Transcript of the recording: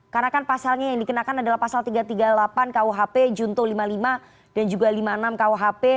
karena kan pasalnya yang dikenakan adalah pasal tiga ratus tiga puluh delapan kuhp junto lima puluh lima dan juga lima puluh enam kuhp